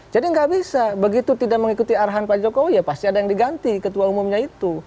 jadi nggak bisa begitu tidak mengikuti arahan pak jokowi ya pasti ada yang diganti ketua umumnya itu